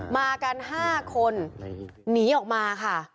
มากัน๕คนหนีออกมาค่ะ